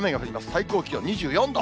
最高気温２４度。